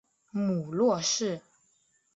母骆氏。